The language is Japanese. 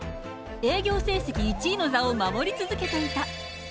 営業成績１位の座を守り続けていた。